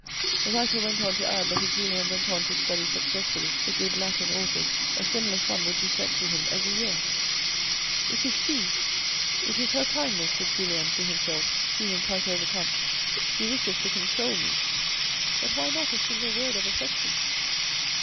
The writer went on to add that if Julien went on to study successfully the good Latin authors, a similar sum would be sent to him every year. 208 THE RED AND THE BLACK " It is she. It is her kindness," said Julien to himself, feeling quite overcome. "She wishes to console me. But why not a single word of affection